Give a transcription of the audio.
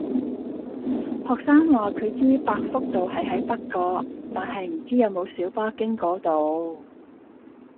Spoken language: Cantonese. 學生話佢知百福道係喺北角，但係唔知有冇小巴經嗰度